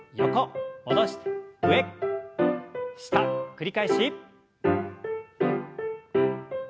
繰り返し。